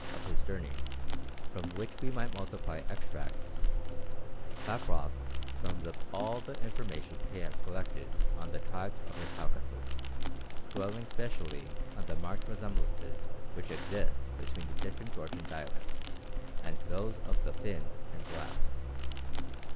"] After this account of his journey, from which we might multiply extracts, Klaproth sums up all the information he has collected on the tribes of the Caucasus, dwelling specially on the marked resemblances which exist between the different Georgian dialects and those of the Finns and Lapps.